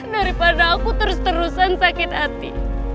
daripada aku terus terusan sakit hati